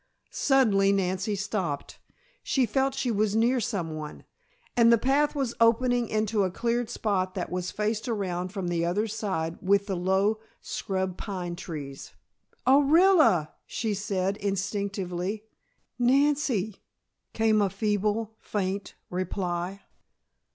Suddenly Nancy stopped. She felt she was near someone, and the path was opening into a cleared spot that was faced around from the other side with the low scrub pine trees. "Orilla!" she said, instinctively. "Nancy!" came a feeble, faint reply.